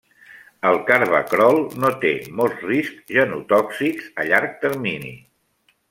El carvacrol no té molts riscs genotòxics a llarg termini.